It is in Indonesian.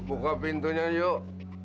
buka pintunya yuk